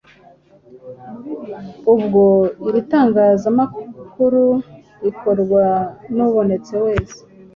ubwo iri tangazamakuru rikorwa n’ubonetse wese,